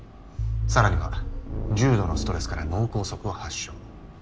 さらには重度のストレスから脳梗塞を発症。